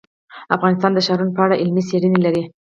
افغانستان د ښارونه په اړه علمي څېړنې لري.